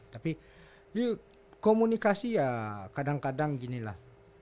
tapi komunikasi ya kadang kadang ginilah